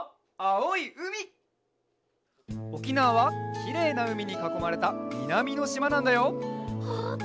おきなわはきれいなうみにかこまれたみなみのしまなんだよほんと！